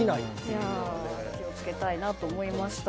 気を付けたいなと思いました。